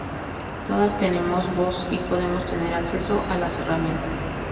todas tenemos voz y podemos tener acceso a las herramientas